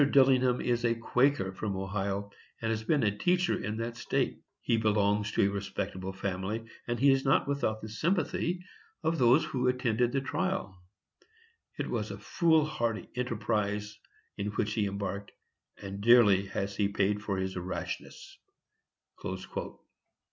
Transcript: Dillingham is a Quaker from Ohio, and has been a teacher in that state. He belongs to a respectable family, and he is not without the sympathy of those who attended the trial. It was a foolhardy enterprise in which he embarked, and dearly has he paid for his rashness."